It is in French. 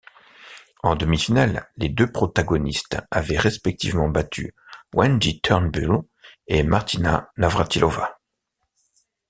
En demi-finale, les deux protagonistes avaient respectivement battu Wendy Turnbull et Martina Navrátilová.